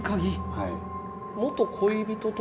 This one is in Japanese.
はい。